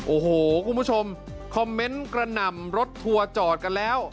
โอ้โหคุณผู้ชมคอมเมนต์กระหน่ำรถทัวร์จอดกันแล้ว